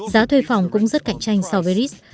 giá thuê phòng cũng rất cạnh tranh so với rit